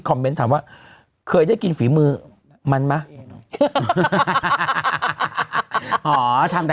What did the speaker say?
เมนต์ถามว่าเคยได้กินฝีมือมันไหม